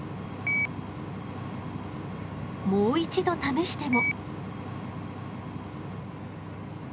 もう一度試しても。